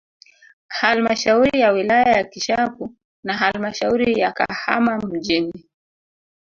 Halmashauri ya wilaya ya Kishapu na halamshauri ya Kahama mjini